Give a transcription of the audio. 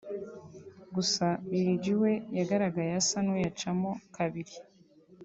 Gusa Lil G we yagaragaye asa n’uyacamo kabiri